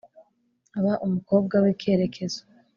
Ba umukobwa wikerekezo